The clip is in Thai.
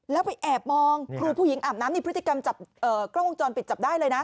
แล้วไปแอบมองครูผู้หญิงอาบน้ำนี่พฤติกรรมจับกล้องวงจรปิดจับได้เลยนะ